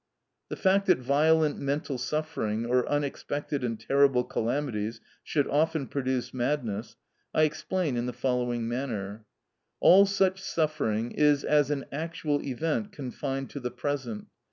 The fact that violent mental suffering or unexpected and terrible calamities should often produce madness, I explain in the following manner. All such suffering is as an actual event confined to the present.